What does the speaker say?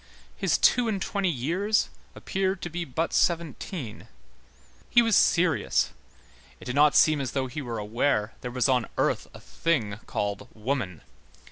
His two and twenty years appeared to be but seventeen; he was serious, it did not seem as though he were aware there was on earth a thing called woman.